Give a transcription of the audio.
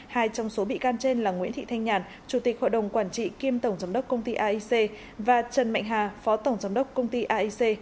hai trong số bị can trên là nguyễn thị thanh nhàn chủ tịch hội đồng quản trị kiêm tổng giám đốc công ty aic và trần mạnh hà phó tổng giám đốc công ty aic